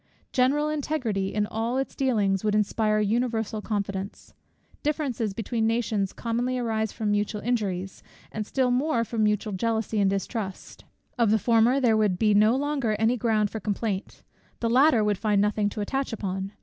General integrity in all its dealings would inspire universal confidence: differences between nations commonly arise from mutual injuries, and still more from mutual jealousy and distrust. Of the former there would be no longer any ground for complaint; the latter would find nothing to attach upon.